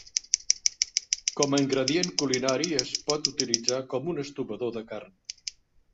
Com a ingredient culinari es pot utilitzar com un estovador de carn.